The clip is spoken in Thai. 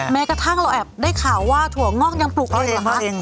แม้กระทั่งเราแอบได้ข่าวว่าถั่วงอกยังปลุกเลยเหรอคะ